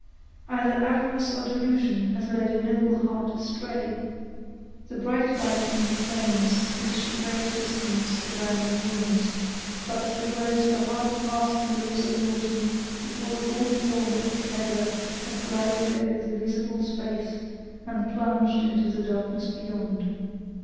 "Either avarice or delusion has led a noble heart astray!" The bright light from the flames reached a great distance around the ruins, but the words were hardly past the lips of Lawton, before the gaunt form of the peddler had glided over the visible space, and plunged into the darkness beyond.